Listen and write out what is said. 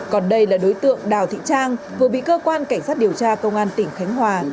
còn đây là đối tượng đào thị trang vừa bị cơ quan cảnh sát điều tra công an tỉnh khánh hòa